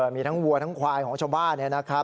มีทั้งวัวทั้งควายของชาวบ้าน